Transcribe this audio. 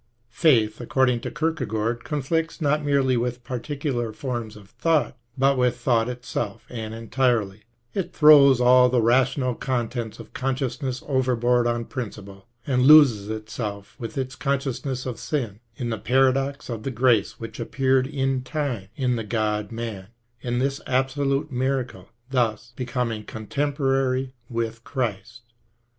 Faith, according to Kierkegaard, conflicts not merely with particular forms of thought, but with thought altogether and entirely: it throws all the rational contents of consciousness overboard on principle, and loses itself, with its consciousness of sin, in the paradox of the grace which appeared in time in the God man, in this absolute miracle, thus " becoming contemporary* with Christ."